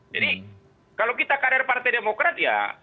jadi kalau kita karir partai demokrat ya